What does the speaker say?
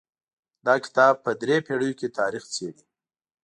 دا کتاب په درې پېړیو کې تاریخ څیړي.